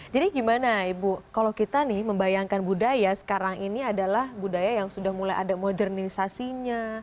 jadi gimana ibu kalau kita nih membayangkan budaya sekarang ini adalah budaya yang sudah mulai ada modernisasinya